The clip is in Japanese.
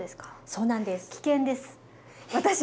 そうなんです。